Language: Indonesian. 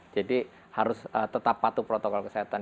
jadi harus tetap patuh protokol kesehatan